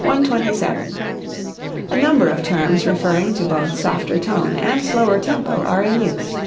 127. A number of terms referring to both softer tone and slower tempo are in use.